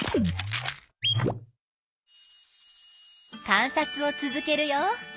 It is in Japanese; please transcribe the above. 観察を続けるよ。